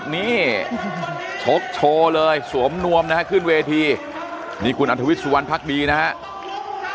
นี่ชกโชว์เลยสวมนวมนะฮะขึ้นเวทีนี่คุณอัธวิทย์สุวรรณภักดีนะครับ